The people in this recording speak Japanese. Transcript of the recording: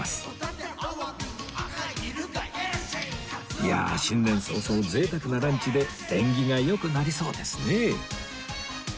いやあ新年早々贅沢なランチで縁起が良くなりそうですね